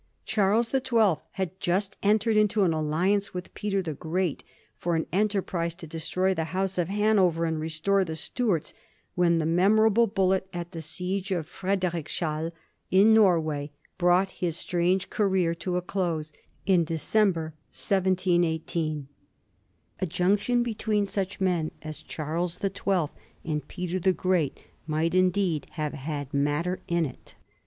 Charles the Twelfth had just entered into an alliance with Peter the Great for an enterprise to destroy the House of Hanover and restore the Stuarts, when the memorable bullet at the si^ of Frederikshall in Norway brought his strange career to a close in December 1718. A junction between such men as Charles the Twelfth and Peter the Great might indeed have had matter in it.